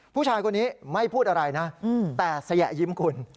ผู้ชายคนนี้ไม่พูดอะไรนะแต่สยะยิ้มคุณ